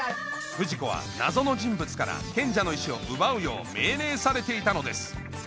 不二子は謎の人物から賢者の石を奪うよう命令されていたのです